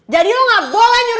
jadi lo gak boleh nyuruh nyuruh